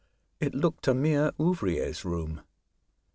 It looked a mere ouvrier^s room.